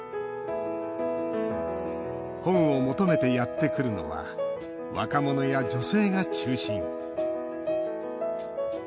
本を求めてやってくるのは若者や女性が中心。